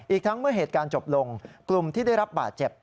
อีกทั้งเมื่อเหตุการณ์จบลงกลุ่มที่ได้รับบาดเจ็บ